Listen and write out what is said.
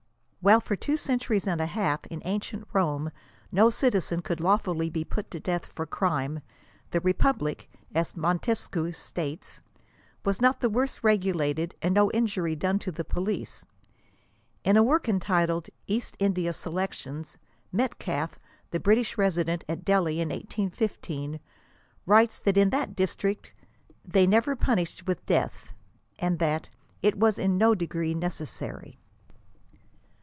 While for two centuries and a half in ancient Rome no citizen could lawfully be put to death for crime, "the Republic," as Montesquieu states, "was not the worse regulated, and no injury was done to the police." In a work entitled, " East India Selections," Metcalfe, the British resident at Delhi in 1815, writes, that in that district " they never punished with death,"^ and that, " it was in no degree necessary."